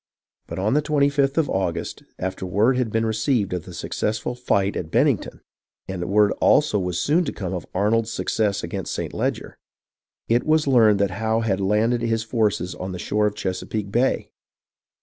But on the 25th of August, after word had been re ceived of the successful fight at Bennington (and word also was soon to come of Arnold's success against St. Leger), it was learned that Howe had landed Ins forces on the shore of Chesapeake Bay